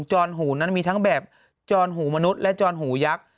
จอนหูนั้นมีทั้งแบบจรหูมนุษย์และจอนหูยักษ์